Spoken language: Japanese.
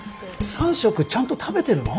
三食ちゃんと食べてるの？